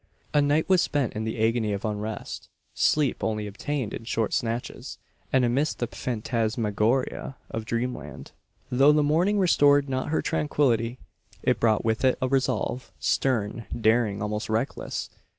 A night was spent in the agony of unrest sleep only obtained in short snatches, and amidst the phantasmagoria of dreamland. Though the morning restored not her tranquillity, it brought with it a resolve, stern, daring, almost reckless.